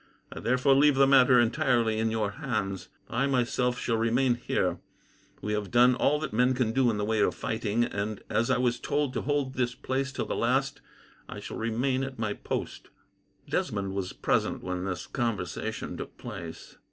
I therefore leave the matter entirely in your hands. I myself shall remain here. We have done all that men can do in the way of fighting, and, as I was told to hold this place till the last, I shall remain at my post." Desmond was present when this conversation took place.